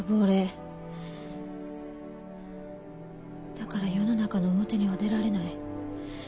だから世の中の表には出られない。